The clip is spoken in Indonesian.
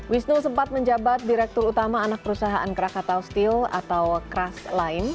wisnu sempat menjabat direktur utama anak perusahaan krakatau steel atau kras lain